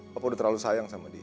papa udah terlalu sayang sama dia